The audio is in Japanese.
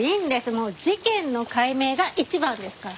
もう事件の解明が一番ですから。